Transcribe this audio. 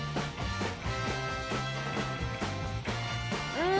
うん！